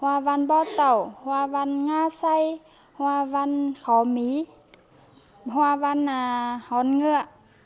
hoa văn bò tẩu hoa văn nga say hoa văn khó mý hoa văn hón ngựa